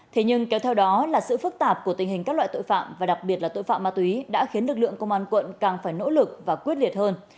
thế nhưng kéo theo đó là sự phức tạp của tình hình các loại tội phạm và đặc biệt là tội phạm ma túy đã khiến lực lượng công an quận càng phải nỗ lực và quyết liệt hơn